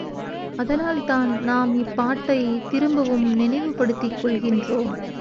அதனால்தான் நாம் இப்பாட்டைத் திரும்பவும் நினைவுபடுத்திக் கொள்கின்றோம்.